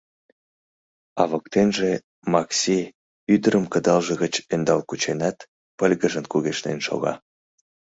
А воктенже Макси, ӱдырым кыдалже гыч ӧндал кученат, пыльгыжын кугешнен шога.